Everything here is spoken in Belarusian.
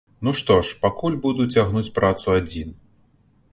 Ну, што ж, пакуль буду цягнуць працу адзін!